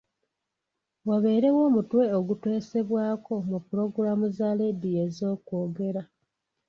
Wabeerawo omutwe oguteesebwako mu pulogulaamu za laadiyo ez'okwogera.